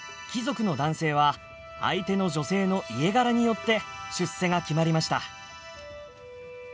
貴族の男性は相手の女性の家柄によって出世が決まりました。